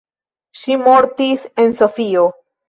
Ŝi mortis en Sofio.